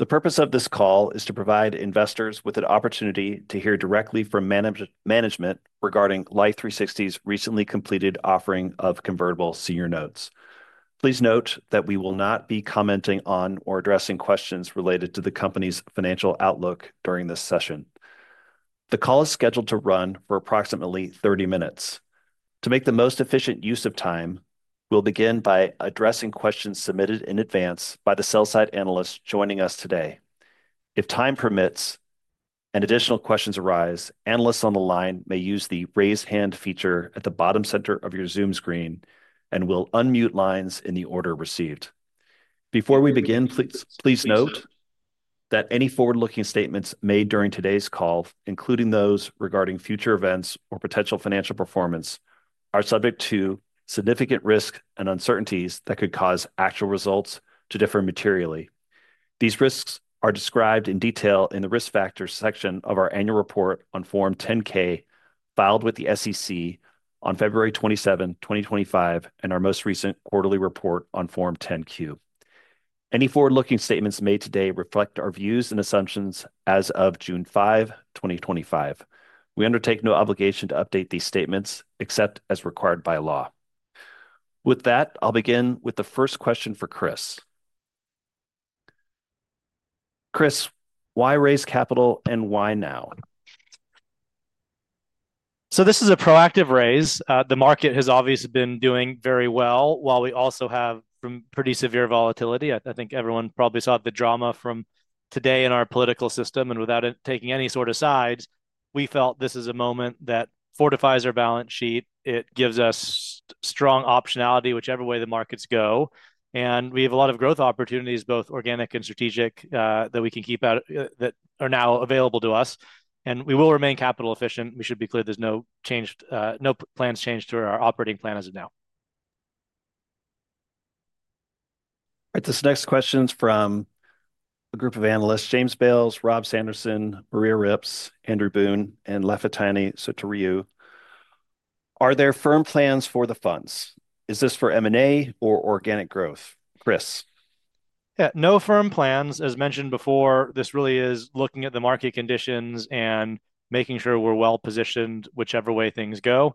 The purpose of this call is to provide investors with an opportunity to hear directly from management regarding Life360's recently completed offering of convertible senior notes. Please note that we will not be commenting on or addressing questions related to the company's financial outlook during this session. The call is scheduled to run for approximately 30 minutes. To make the most efficient use of time, we'll begin by addressing questions submitted in advance by the sell-side analysts joining us today. If time permits and additional questions arise, analysts on the line may use the raise hand feature at the bottom center of your Zoom screen, and we'll unmute lines in the order received. Before we begin, please note that any forward-looking statements made during today's call, including those regarding future events or potential financial performance, are subject to significant risk and uncertainties that could cause actual results to differ materially. These risks are described in detail in the risk factors section of our annual report on Form 10-K filed with the SEC on February 27, 2025, and our most recent quarterly report on Form 10-Q. Any forward-looking statements made today reflect our views and assumptions as of June 5, 2025. We undertake no obligation to update these statements except as required by law. With that, I'll begin with the first question for Chris. Chris, why raise capital and why now? This is a proactive raise. The market has obviously been doing very well while we also have pretty severe volatility. I think everyone probably saw the drama from today in our political system. Without taking any sort of sides, we felt this is a moment that fortifies our balance sheet. It gives us strong optionality whichever way the markets go. We have a lot of growth opportunities, both organic and strategic, that we can keep out that are now available to us. We will remain capital efficient. We should be clear there's no change, no plans changed to our operating plan as of now. All right. This next question is from a group of analysts: James Bales, Rob Sanderson, Maria Ripps, Andrew Boone, and Lafitani Sotiriou. Are there firm plans for the funds? Is this for M&A or organic growth? Chris? Yeah. No firm plans. As mentioned before, this really is looking at the market conditions and making sure we're well positioned whichever way things go.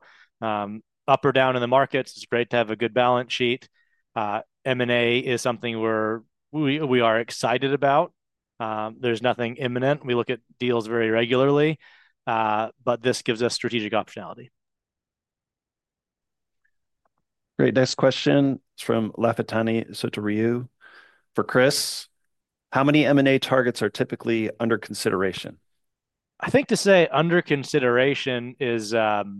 Up or down in the markets, it's great to have a good balance sheet. M&A is something we are excited about. There's nothing imminent. We look at deals very regularly. This gives us strategic optionality. Great. Next question is from Lafitani Sotiriou. For Chris, how many M&A targets are typically under consideration? I think to say under consideration is, let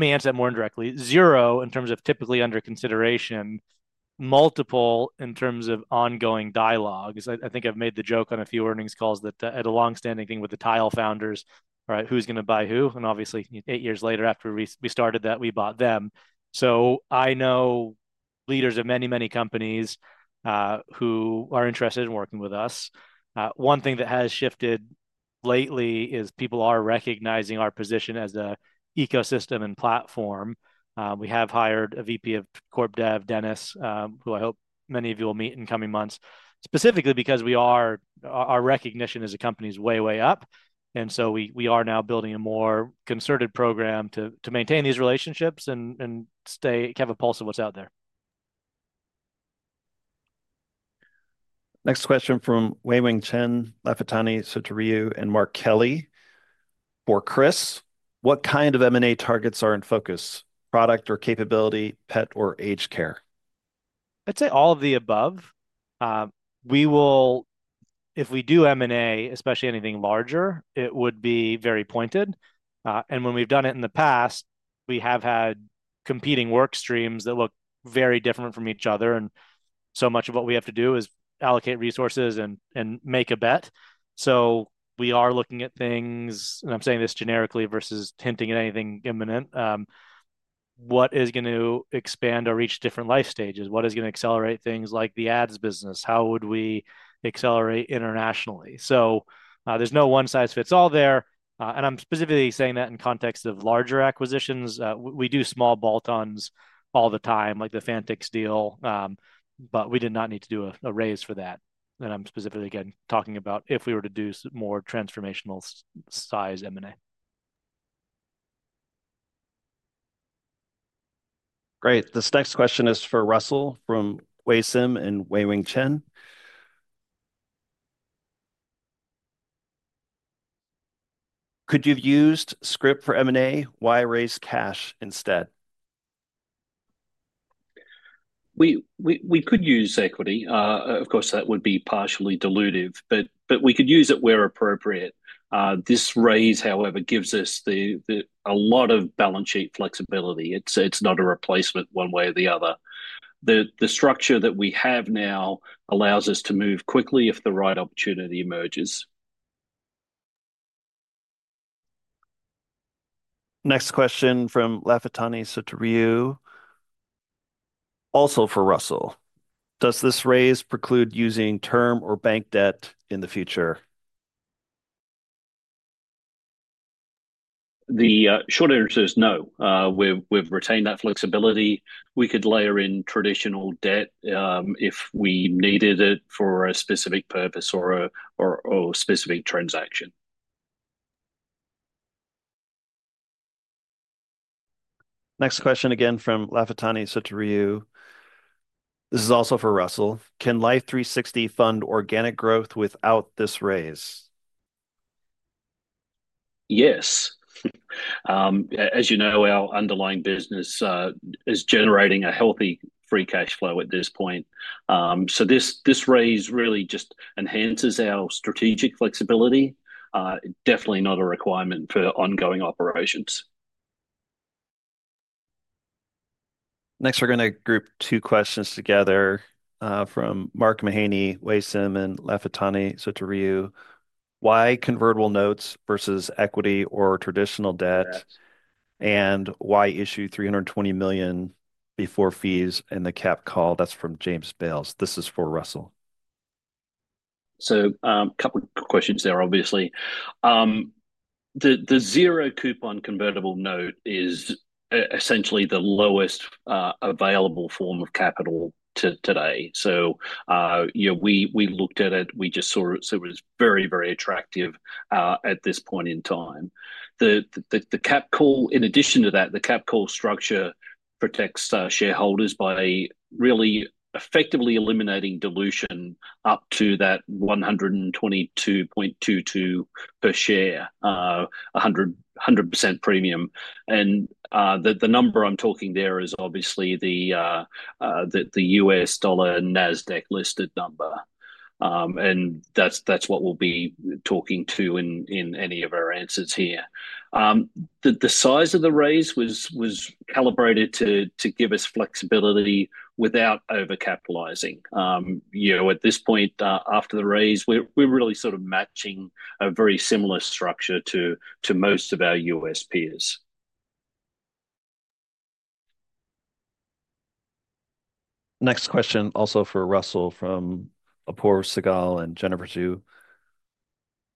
me answer that more directly, zero in terms of typically under consideration, multiple in terms of ongoing dialogue. I think I've made the joke on a few earnings calls that had a long-standing thing with the Tile founders, right? Who's going to buy who? And obviously, eight years later after we started that, we bought them. I know leaders of many, many companies who are interested in working with us. One thing that has shifted lately is people are recognizing our position as an ecosystem and platform. We have hired a VP of Corp Dev, Dennis, who I hope many of you will meet in coming months, specifically because our recognition as a company is way, way up. We are now building a more concerted program to maintain these relationships and have a pulse of what's out there. Next question from Wei-Weng Chen, Lafitani Sotiriou, and Mark Kelley. For Chris, what kind of M&A targets are in focus? Product or capability, pet or aged care? I'd say all of the above. We will, if we do M&A, especially anything larger, it would be very pointed. When we've done it in the past, we have had competing work streams that look very different from each other. So much of what we have to do is allocate resources and make a bet. We are looking at things, and I'm saying this generically versus hinting at anything imminent, what is going to expand or reach different life stages? What is going to accelerate things like the ads business? How would we accelerate internationally? There is no one-size-fits-all there. I'm specifically saying that in context of larger acquisitions. We do small bolt-ons all the time, like the Fanticks deal, but we did not need to do a raise for that. I'm specifically again talking about if we were to do more transformational size M&A. Great. This next question is for Russell from WaySim and Wei-Weng Chen. Could you have used script for M&A? Why raise cash instead? We could use equity. Of course, that would be partially dilutive, but we could use it where appropriate. This raise, however, gives us a lot of balance sheet flexibility. It is not a replacement one way or the other. The structure that we have now allows us to move quickly if the right opportunity emerges. Next question from Lafitani Sotiriou, also for Russell. Does this raise preclude using term or bank debt in the future? The short answer is no. We've retained that flexibility. We could layer in traditional debt if we needed it for a specific purpose or a specific transaction. Next question again from Lafitani Sotiriou. This is also for Russell. Can Life360 fund organic growth without this raise? Yes. As you know, our underlying business is generating a healthy free cash flow at this point. This raise really just enhances our strategic flexibility. Definitely not a requirement for ongoing operations. Next, we're going to group two questions together from Mark Mahaney, WaySim, and Lafitani Sotiriou. Why convertible notes versus equity or traditional debt? Why issue $320 million before fees in the cap call? That's from James Bales. This is for Russell. A couple of questions there, obviously. The zero-coupon convertible note is essentially the lowest available form of capital today. We looked at it. We just saw it. It was very, very attractive at this point in time. The cap call, in addition to that, the cap call structure protects shareholders by really effectively eliminating dilution up to that $122.22 per share, 100% premium. The number I'm talking there is obviously the U.S. dollar Nasdaq listed number. That's what we'll be talking to in any of our answers here. The size of the raise was calibrated to give us flexibility without over-capitalizing. At this point, after the raise, we're really sort of matching a very similar structure to most of our U.S. peers. Next question also for Russell from Apor Segal and Jennifer Xu.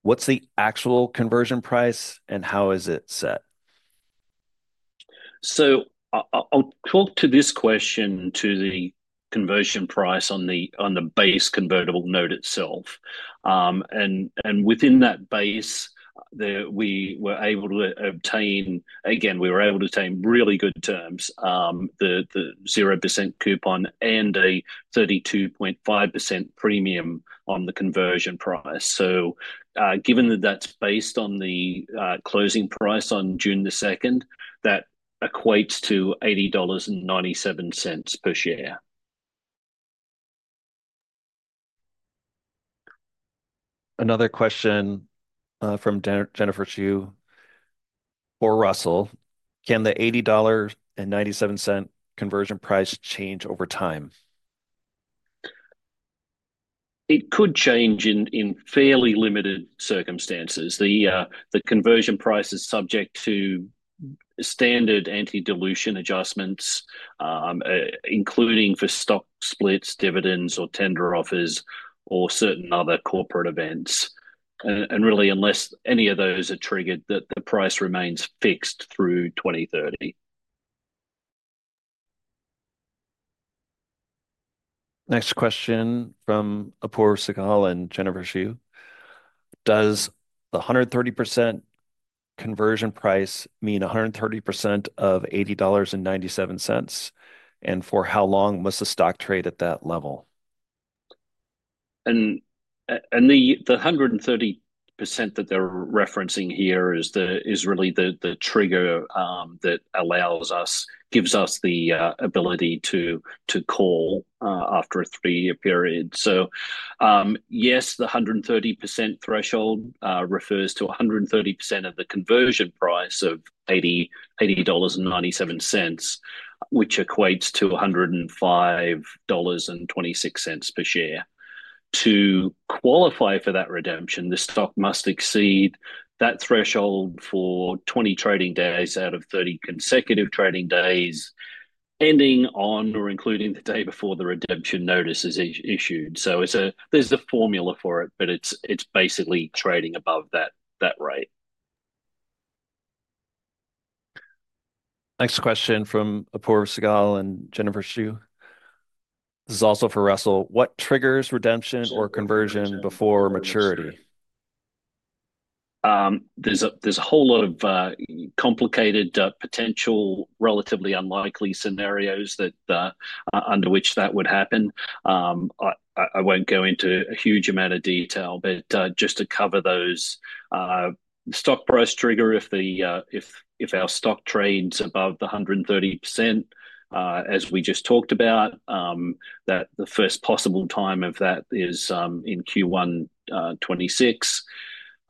What's the actual conversion price and how is it set? I'll talk to this question to the conversion price on the base convertible note itself. Within that base, we were able to obtain, again, we were able to obtain really good terms, the 0% coupon and a 32.5% premium on the conversion price. Given that that's based on the closing price on June 2, that equates to $80.97 per share. Another question from Jennifer Xu for Russell. Can the $80.97 conversion price change over time? It could change in fairly limited circumstances. The conversion price is subject to standard anti-dilution adjustments, including for stock splits, dividends or tender offers, or certain other corporate events. Really, unless any of those are triggered, the price remains fixed through 2030. Next question from Apor Segal and Jennifer Xu. Does the 130% conversion price mean 130% of $80.97? And for how long must the stock trade at that level? The 130% that they're referencing here is really the trigger that allows us, gives us the ability to call after a three-year period. Yes, the 130% threshold refers to 130% of the conversion price of $80.97, which equates to $105.26 per share. To qualify for that redemption, the stock must exceed that threshold for 20 trading days out of 30 consecutive trading days, ending on or including the day before the redemption notice is issued. There is a formula for it, but it's basically trading above that rate. Next question from Apor Segal and Jennifer Zhu. This is also for Russell. What triggers redemption or conversion before maturity? There's a whole lot of complicated, potential, relatively unlikely scenarios under which that would happen. I won't go into a huge amount of detail, but just to cover those. Stock price trigger if our stock trades above the 130%, as we just talked about, that the first possible time of that is in Q1 2026.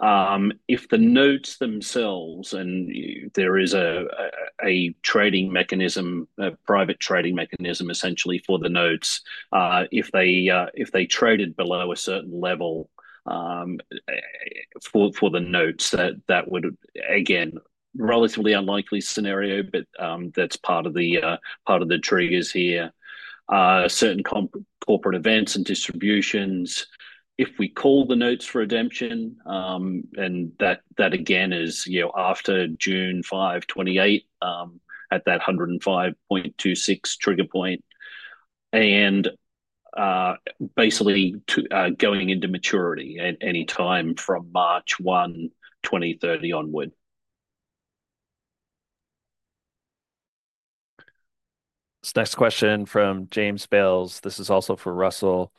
If the notes themselves, and there is a trading mechanism, a private trading mechanism essentially for the notes, if they traded below a certain level for the notes, that would, again, relatively unlikely scenario, but that's part of the triggers here. Certain corporate events and distributions, if we call the notes for redemption, and that, again, is after June 5, 2028, at that 105.26% trigger point, and basically going into maturity at any time from March 1, 2030 onward. This next question from James Bales. This is also for Russell.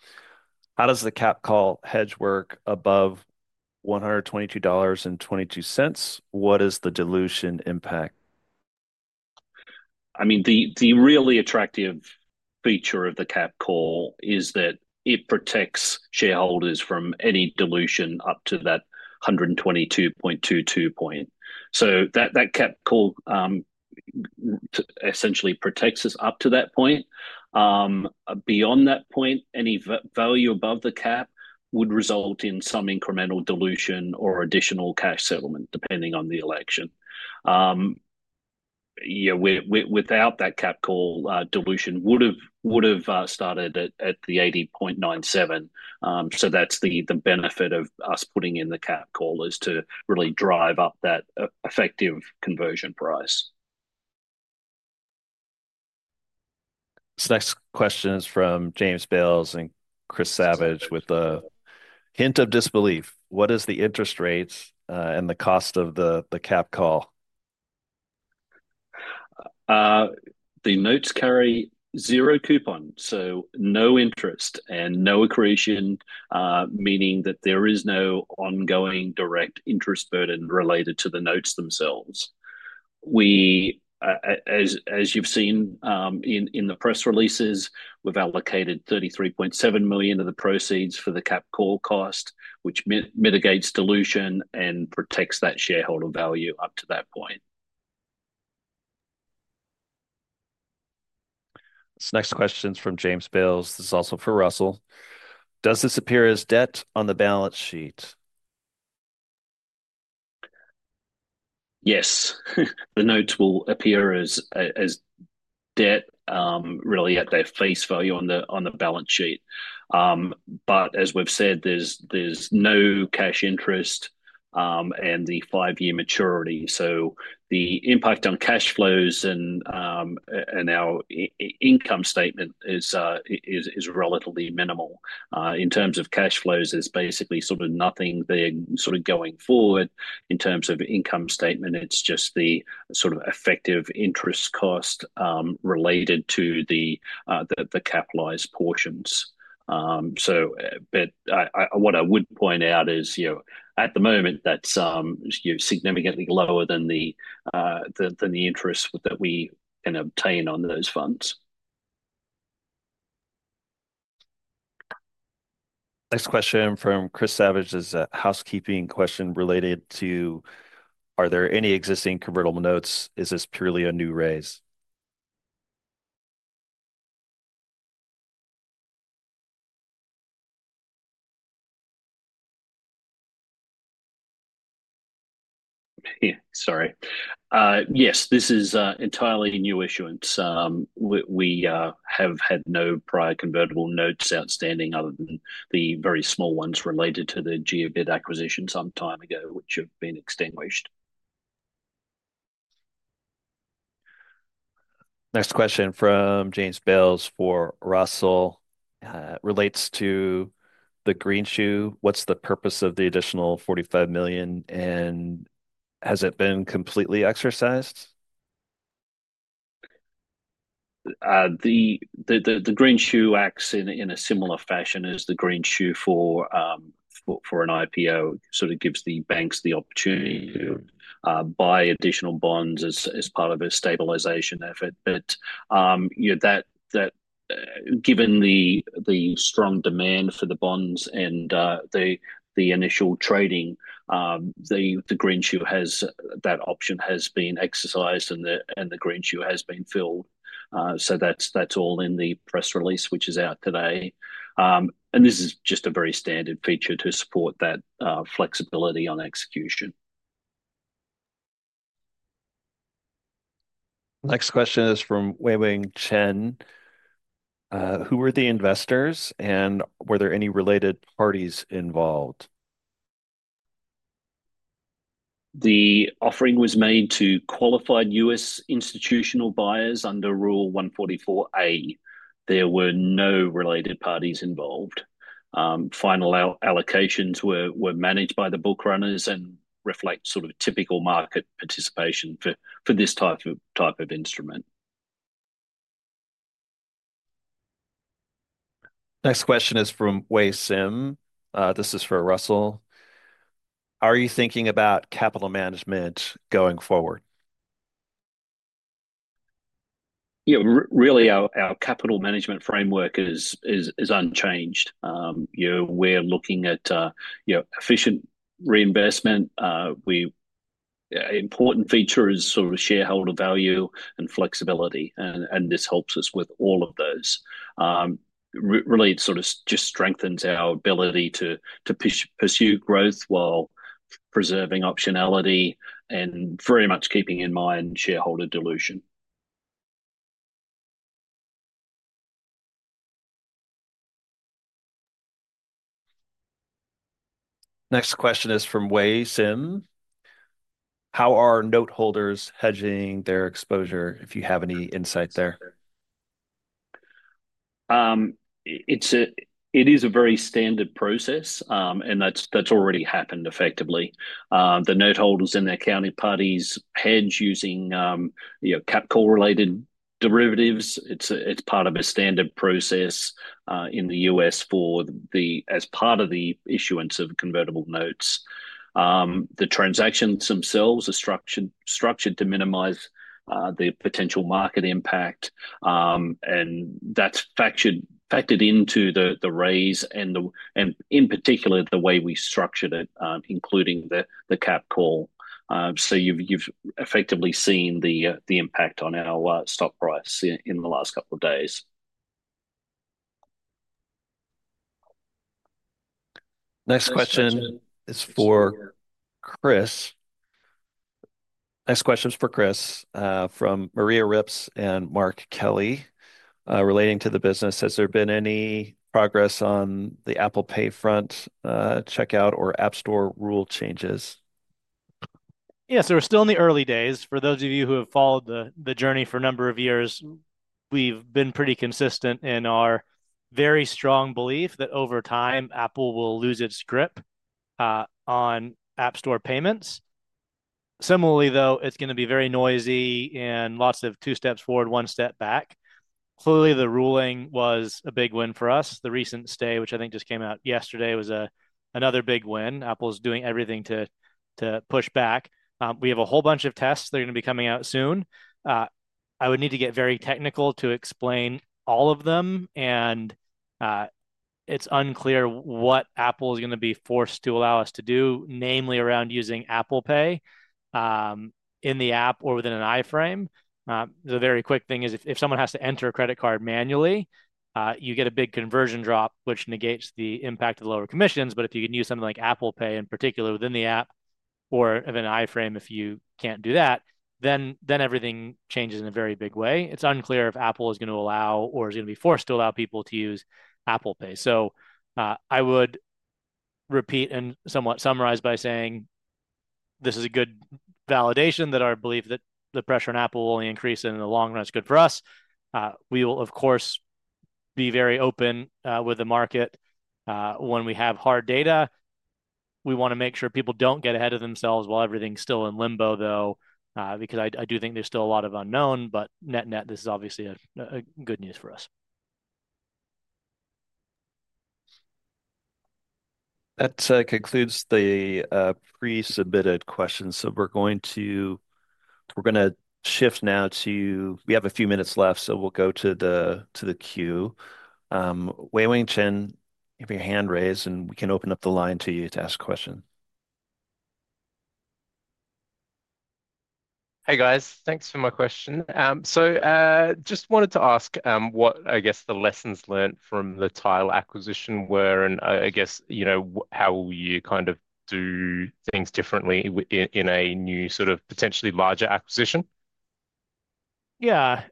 How does the cap call hedge work above $122.22? What is the dilution impact? I mean, the really attractive feature of the cap call is that it protects shareholders from any dilution up to that 122.22 point. That cap call essentially protects us up to that point. Beyond that point, any value above the cap would result in some incremental dilution or additional cash settlement, depending on the election. Without that cap call, dilution would have started at the 80.97. That is the benefit of us putting in the cap call, to really drive up that effective conversion price. This next question is from James Bales and Chris Savage with a hint of disbelief. What is the interest rate and the cost of the cap call? The notes carry zero coupon, so no interest and no accretion, meaning that there is no ongoing direct interest burden related to the notes themselves. As you've seen in the press releases, we've allocated $33.7 million of the proceeds for the cap call cost, which mitigates dilution and protects that shareholder value up to that point. This next question is from James Bales. This is also for Russell. Does this appear as debt on the balance sheet? Yes. The notes will appear as debt, really at their face value on the balance sheet. As we've said, there's no cash interest and the five-year maturity. The impact on cash flows and our income statement is relatively minimal. In terms of cash flows, there's basically sort of nothing going forward. In terms of income statement, it's just the sort of effective interest cost related to the capitalized portions. What I would point out is, at the moment, that's significantly lower than the interest that we can obtain on those funds. Next question from Chris Savage is a housekeeping question related to, are there any existing convertible notes? Is this purely a new raise? Sorry. Yes, this is entirely new issuance. We have had no prior convertible notes outstanding other than the very small ones related to the Jiobit acquisition some time ago, which have been extinguished. Next question from James Bales for Russell. It relates to the greenshoe. What's the purpose of the additional $45 million? Has it been completely exercised? The greenshoe acts in a similar fashion as the greenshoe for an IPO, sort of gives the banks the opportunity to buy additional bonds as part of a stabilization effort. Given the strong demand for the bonds and the initial trading, the green shoe option has been exercised and the green shoe has been filled. That is all in the press release, which is out today. This is just a very standard feature to support that flexibility on execution. Next question is from Wei-Weng Chen. Who were the investors and were there any related parties involved? The offering was made to qualified U.S. institutional buyers under Rule 144A. There were no related parties involved. Final allocations were managed by the book runners and reflect sort of typical market participation for this type of instrument. Next question is from WaySim. This is for Russell. Are you thinking about capital management going forward? Yeah, really, our capital management framework is unchanged. We're looking at efficient reinvestment. An important feature is sort of shareholder value and flexibility. This helps us with all of those. Really, it sort of just strengthens our ability to pursue growth while preserving optionality and very much keeping in mind shareholder dilution. Next question is from WaySim. How are noteholders hedging their exposure, if you have any insight there? It is a very standard process, and that's already happened effectively. The noteholders and their counter parties hedge using cap call-related derivatives. It's part of a standard process in the U.S. as part of the issuance of convertible notes. The transactions themselves are structured to minimize the potential market impact. That is factored into the raise, and in particular, the way we structured it, including the cap call. You have effectively seen the impact on our stock price in the last couple of days. Next question is for Chris. Next question is for Chris from Maria Ripps and Mark Kelley relating to the business. Has there been any progress on the Apple Pay front checkout or App Store rule changes? Yes, we're still in the early days. For those of you who have followed the journey for a number of years, we've been pretty consistent in our very strong belief that over time, Apple will lose its grip on App Store payments. Similarly, though, it's going to be very noisy and lots of two steps forward, one step back. Clearly, the ruling was a big win for us. The recent stay, which I think just came out yesterday, was another big win. Apple is doing everything to push back. We have a whole bunch of tests that are going to be coming out soon. I would need to get very technical to explain all of them. It's unclear what Apple is going to be forced to allow us to do, namely around using Apple Pay in the app or within an iframe. The very quick thing is, if someone has to enter a credit card manually, you get a big conversion drop, which negates the impact of the lower commissions. If you can use something like Apple Pay in particular within the app or in an iframe, if you can't do that, then everything changes in a very big way. It's unclear if Apple is going to allow or is going to be forced to allow people to use Apple Pay. I would repeat and somewhat summarize by saying this is a good validation that our belief that the pressure on Apple will only increase in the long run is good for us. We will, of course, be very open with the market. When we have hard data, we want to make sure people don't get ahead of themselves while everything's still in limbo, though, because I do think there's still a lot of unknown. Net net, this is obviously good news for us. That concludes the pre-submitted questions. We're going to shift now to we have a few minutes left, so we'll go to the queue. Wei-Weng Chen, you have your hand raised, and we can open up the line to you to ask a question. Hey, guys. Thanks for my question. Just wanted to ask what, I guess, the lessons learned from the Tile acquisition were, and I guess, how will you kind of do things differently in a new sort of potentially larger acquisition? Yeah.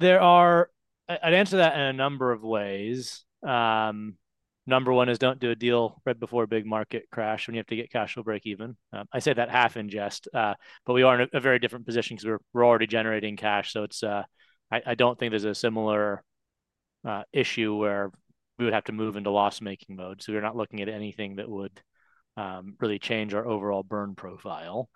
I'd answer that in a number of ways. Number one is don't do a deal right before a big market crash when you have to get cash to break even. I say that half in jest, but we are in a very different position because we're already generating cash. I don't think there's a similar issue where we would have to move into loss-making mode. We're not looking at anything that would really change our overall burn profile.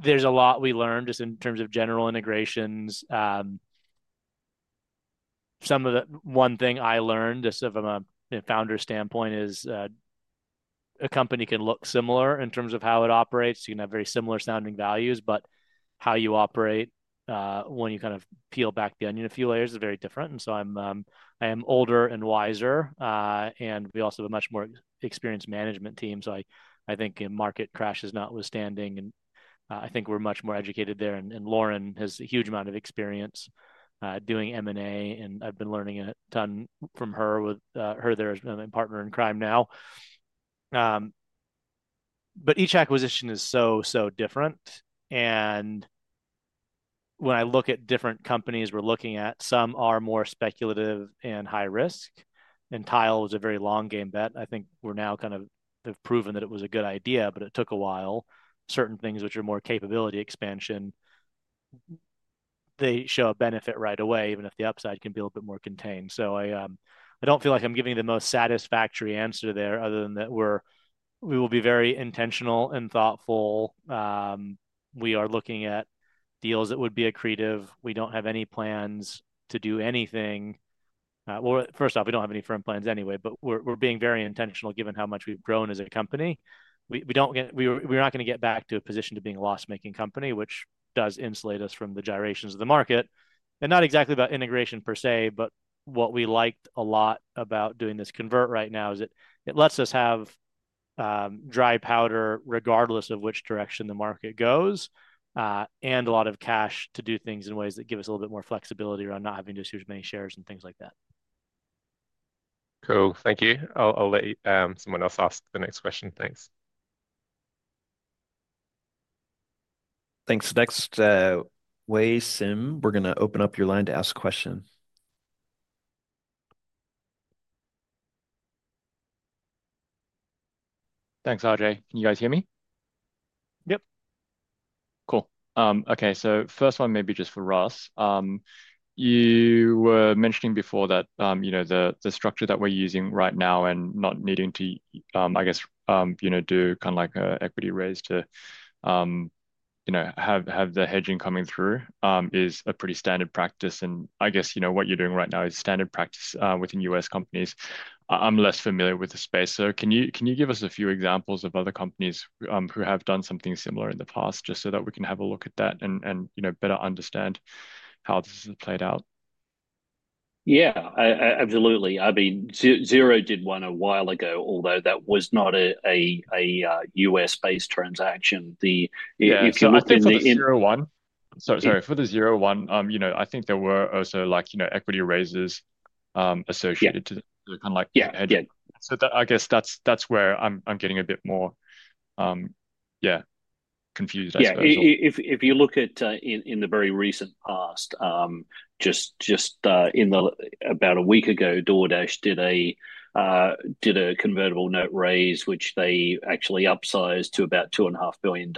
There's a lot we learned just in terms of general integrations. One thing I learned just from a founder standpoint is a company can look similar in terms of how it operates. You can have very similar-sounding values, but how you operate when you kind of peel back the onion a few layers is very different. I am older and wiser, and we also have a much more experienced management team. I think a market crash is notwithstanding. I think we're much more educated there. Lauren has a huge amount of experience doing M&A, and I've been learning a ton from her. Her there is my partner in crime now. Each acquisition is so, so different. When I look at different companies, we're looking at some are more speculative and high risk. Tile was a very long-game bet. I think we now kind of have proven that it was a good idea, but it took a while. Certain things which are more capability expansion, they show a benefit right away, even if the upside can be a little bit more contained. I don't feel like I'm giving you the most satisfactory answer there other than that we will be very intentional and thoughtful. We are looking at deals that would be accretive. We don't have any plans to do anything. First off, we don't have any firm plans anyway, but we're being very intentional given how much we've grown as a company. We're not going to get back to a position to being a loss-making company, which does insulate us from the gyrations of the market. Not exactly about integration per se, but what we liked a lot about doing this convert right now is it lets us have dry powder regardless of which direction the market goes and a lot of cash to do things in ways that give us a little bit more flexibility around not having to issue as many shares and things like that. Cool. Thank you. I'll let someone else ask the next question. Thanks. Thanks. Next, WaySim, we're going to open up your line to ask a question. Thanks, Ajay. Can you guys hear me? Yep. Cool. Okay. First one, maybe just for Russ. You were mentioning before that the structure that we're using right now and not needing to, I guess, do kind of like an equity raise to have the hedging coming through is a pretty standard practice. I guess what you're doing right now is standard practice within U.S. companies. I'm less familiar with the space. Can you give us a few examples of other companies who have done something similar in the past just so that we can have a look at that and better understand how this has played out? Yeah, absolutely. I mean, Zero did one a while ago, although that was not a U.S.-based transaction. Yeah, for the Zero1. Sorry, for the Zero1, I think there were also equity raises associated to kind of like hedging. I guess that's where I'm getting a bit more, yeah, confused, I suppose. Yeah. If you look at in the very recent past, just about a week ago, DoorDash did a convertible note raise, which they actually upsized to about $2.5 billion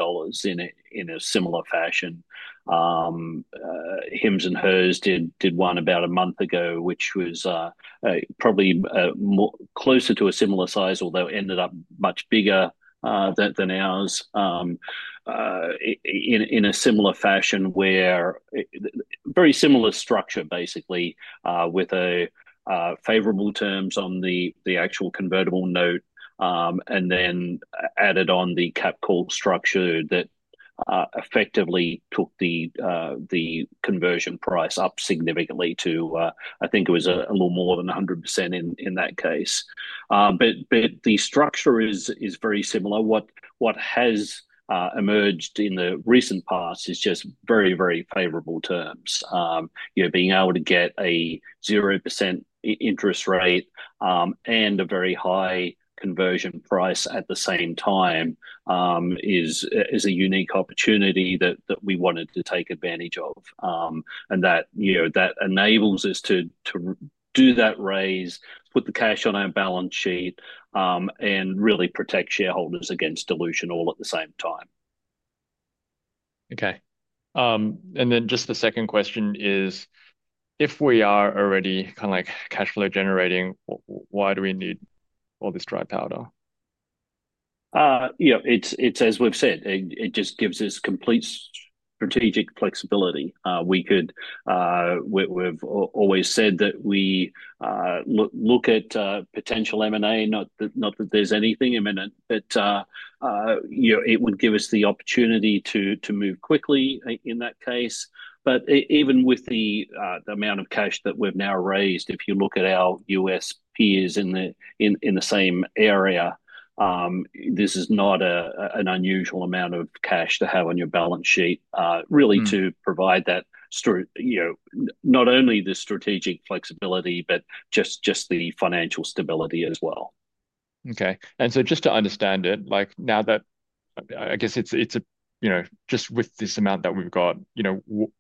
in a similar fashion. Hims & Hers did one about a month ago, which was probably closer to a similar size, although ended up much bigger than ours in a similar fashion where very similar structure, basically, with favorable terms on the actual convertible note and then added on the cap call structure that effectively took the conversion price up significantly to, I think it was a little more than 100% in that case. The structure is very similar. What has emerged in the recent past is just very, very favorable terms. Being able to get a 0% interest rate and a very high conversion price at the same time is a unique opportunity that we wanted to take advantage of. That enables us to do that raise, put the cash on our balance sheet, and really protect shareholders against dilution all at the same time. Okay. And then just the second question is, if we are already kind of like cash flow generating, why do we need all this dry powder? Yeah, it's, as we've said, it just gives us complete strategic flexibility. We've always said that we look at potential M&A, not that there's anything imminent, but it would give us the opportunity to move quickly in that case. Even with the amount of cash that we've now raised, if you look at our U.S. peers in the same area, this is not an unusual amount of cash to have on your balance sheet, really, to provide that not only the strategic flexibility, but just the financial stability as well. Okay. Just to understand it, now that I guess it's just with this amount that we've got,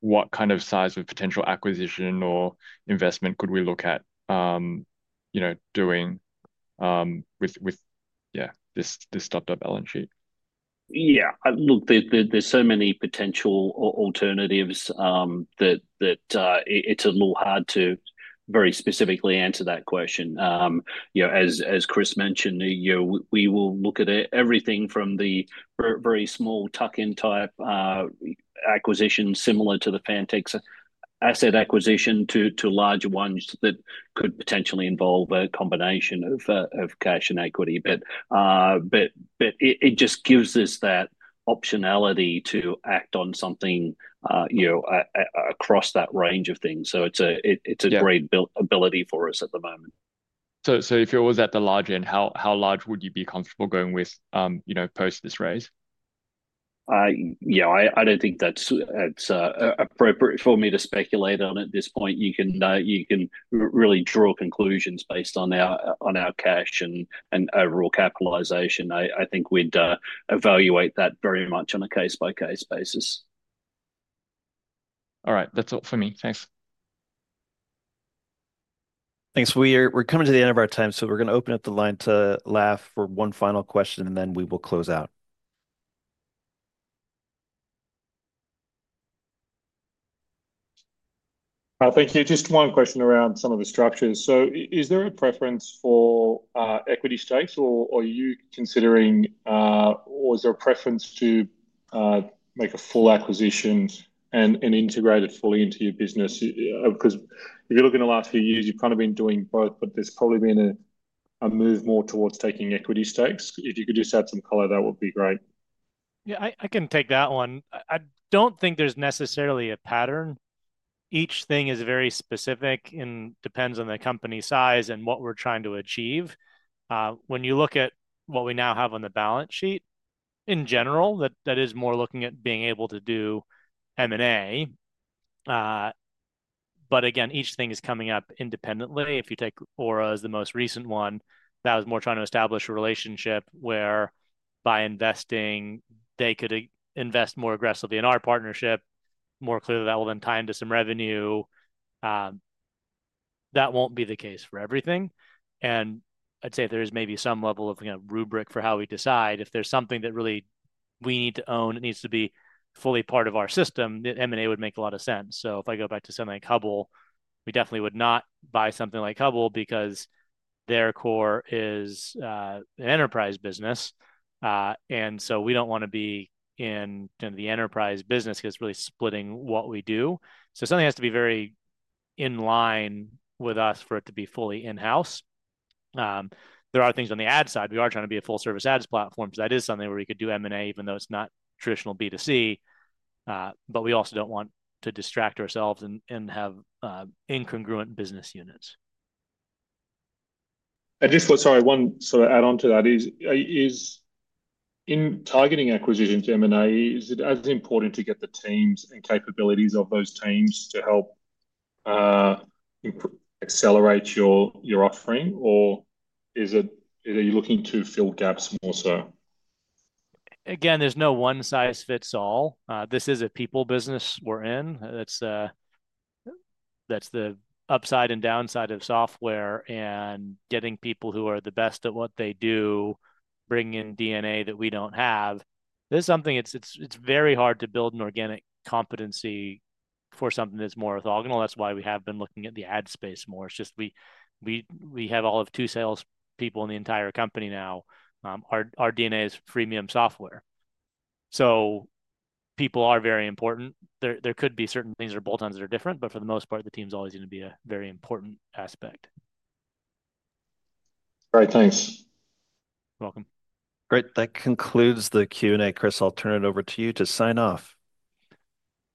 what kind of size of potential acquisition or investment could we look at doing with, yeah, this stock-to-balance sheet? Yeah. Look, there's so many potential alternatives that it's a little hard to very specifically answer that question. As Chris mentioned, we will look at everything from the very small tuck-in type acquisition, similar to the Fantech asset acquisition, to larger ones that could potentially involve a combination of cash and equity. It just gives us that optionality to act on something across that range of things. It's a great ability for us at the moment. If you're always at the large end, how large would you be comfortable going with post this raise? Yeah, I don't think that's appropriate for me to speculate on at this point. You can really draw conclusions based on our cash and overall capitalization. I think we'd evaluate that very much on a case-by-case basis. All right. That's all for me. Thanks. Thanks. We're coming to the end of our time, so we're going to open up the line to Laf for one final question, and then we will close out. Thank you. Just one question around some of the structures. Is there a preference for equity stakes, or are you considering, or is there a preference to make a full acquisition and integrate it fully into your business? Because if you look in the last few years, you've kind of been doing both, but there's probably been a move more towards taking equity stakes. If you could just add some color, that would be great. Yeah, I can take that one. I do not think there is necessarily a pattern. Each thing is very specific and depends on the company size and what we are trying to achieve. When you look at what we now have on the balance sheet, in general, that is more looking at being able to do M&A. Again, each thing is coming up independently. If you take Aura as the most recent one, that was more trying to establish a relationship where by investing, they could invest more aggressively in our partnership. More clearly, that will then tie into some revenue. That will not be the case for everything. I would say there is maybe some level of rubric for how we decide. If there is something that really we need to own, it needs to be fully part of our system, M&A would make a lot of sense. If I go back to something like Hubble, we definitely would not buy something like Hubble because their core is an enterprise business. We do not want to be in the enterprise business because it is really splitting what we do. Something has to be very in line with us for it to be fully in-house. There are things on the ad side. We are trying to be a full-service ads platform because that is something where we could do M&A, even though it is not traditional B2C. We also do not want to distract ourselves and have incongruent business units. I just thought, sorry, one sort of add-on to that is in targeting acquisitions to M&A, is it as important to get the teams and capabilities of those teams to help accelerate your offering, or are you looking to fill gaps more so? Again, there's no one-size-fits-all. This is a people business we're in. That's the upside and downside of software and getting people who are the best at what they do, bringing in DNA that we don't have. This is something it's very hard to build an organic competency for something that's more orthogonal. That's why we have been looking at the ad space more. It's just we have all of two salespeople in the entire company now. Our DNA is freemium software. So people are very important. There could be certain things or bolt-ons that are different, but for the most part, the team's always going to be a very important aspect. All right. Thanks. You're welcome. Great. That concludes the Q&A, Chris. I'll turn it over to you to sign off.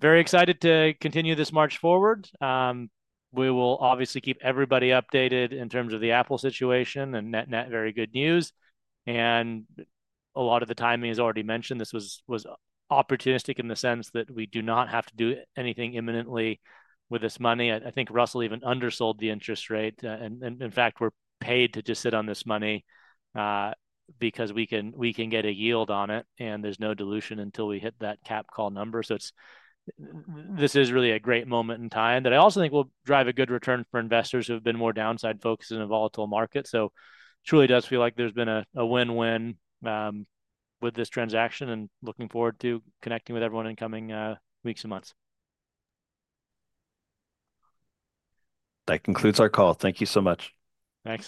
Very excited to continue this march forward. We will obviously keep everybody updated in terms of the Apple situation and net-net very good news. A lot of the timing is already mentioned. This was opportunistic in the sense that we do not have to do anything imminently with this money. I think Russell even undersold the interest rate. In fact, we are paid to just sit on this money because we can get a yield on it, and there is no dilution until we hit that cap call number. This is really a great moment in time that I also think will drive a good return for investors who have been more downside-focused in a volatile market. It truly does feel like there has been a win-win with this transaction and looking forward to connecting with everyone in coming weeks and months. That concludes our call. Thank you so much. Thanks.